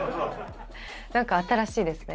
なんか新しいですね。